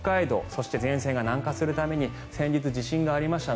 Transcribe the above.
そして前線が南下するために先日、地震がありました